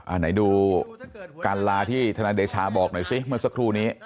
ไหนดูการลาที่ธนายเดชาบอกหน่อยสิเมื่อสักครู่นี้